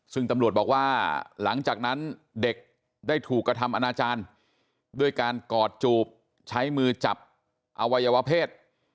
ซึ่งตำรวจบอกว่าหลังจากนั้นเด็กได้ถูกกระทำอนาจารย์ด้วยการกอดจูบใช้มือจับอวัยวเพศ